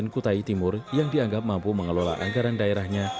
dan kutai timur yang dianggap mampu mengelola anggaran daerahnya